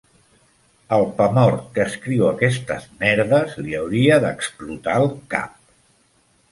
Iryn Namubiru i Nubian Lee de Fire Base Crew van refer "Empisazo".